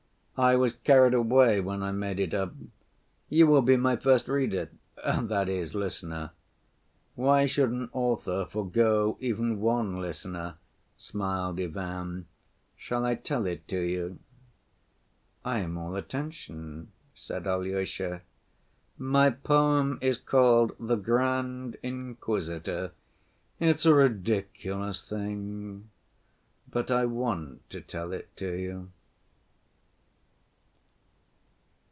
I was carried away when I made it up. You will be my first reader—that is listener. Why should an author forego even one listener?" smiled Ivan. "Shall I tell it to you?" "I am all attention," said Alyosha. "My poem is called 'The Grand Inquisitor'; it's a ridiculous thing, but I want to tell it to you."